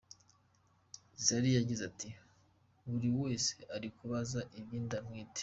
Zari yagize ati “Buri wese ari kubaza iby’inda ntwite.